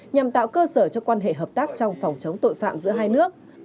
nhằm tạo cơ sở cho quan hệ hợp tác trong phòng chống tội phạm giữa hai nước